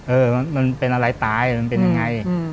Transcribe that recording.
เออมันเป็นอะไรตายมันเป็นยังไง